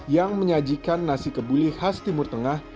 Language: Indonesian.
yang menyajikan nasi kebuli khas timur tengah